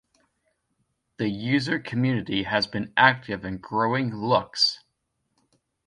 The user community has been active in growing "Lux".